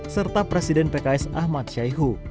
serta presiden pks ahmad syaihu